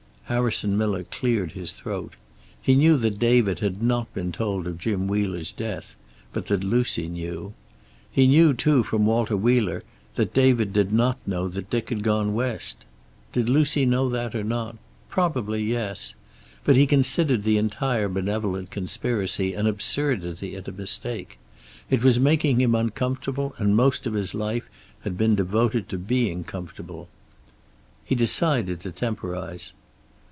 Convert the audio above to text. Harrison Miller cleared his throat. He knew that David had not been told of Jim Wheeler's death, but that Lucy knew. He knew too from Walter Wheeler that David did not know that Dick had gone west. Did Lucy know that, or not? Probably yes. But he considered the entire benevolent conspiracy an absurdity and a mistake. It was making him uncomfortable, and most of his life had been devoted to being comfortable. He decided to temporize.